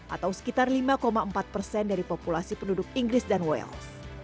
atau sekitar lima empat persen dari populasi penduduk inggris dan wales